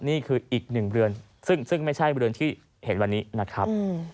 นี่คืออีกหนึ่งเรือนซึ่งไม่ใช่เรือนที่เห็นวันนี้นะครับ